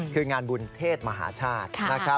คืองานบุญเทศมหาชาติ